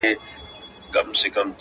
هر ماښام به رنگ په رنگ وه خوراكونه٫